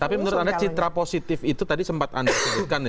tapi menurut anda citra positif itu tadi sempat anda sebutkan ya